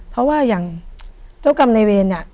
เพราะว่าอย่างเจ้ากรรมในเวรเนี่ย